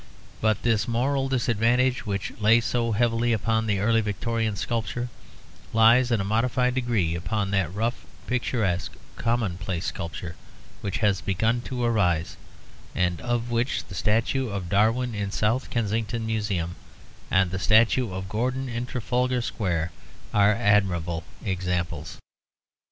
But this moral disadvantage which lay so heavily upon the early Victorian sculpture lies in a modified degree upon that rough, picturesque, commonplace sculpture which has begun to arise, and of which the statue of Darwin in the South Kensington Museum and the statue of Gordon in Trafalgar Square are admirable examples.